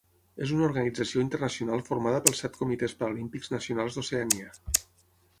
És una organització internacional formada pels set comitès paralímpics nacionals d'Oceania.